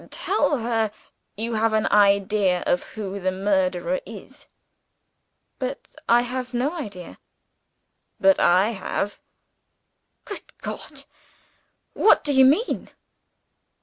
"Tell her you have an idea of who the murderer is." "But I have no idea." "But I have." "Good God! what do you mean?"